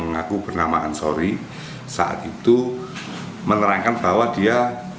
mengaku bernama ansori saat itu menerangkan bahwa dia